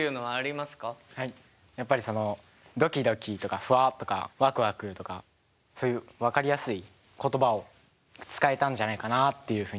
はいやっぱりその「ドキドキ」とか「フワッ」とか「ワクワク」とかそういう分かりやすい言葉を使えたんじゃないかなあっていうふうには思います。